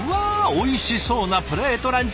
おいしそうなプレートランチ。